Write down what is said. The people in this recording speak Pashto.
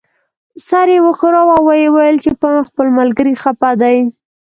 سر یې وښوراوه او یې وویل چې په خپل ملګري خپه دی.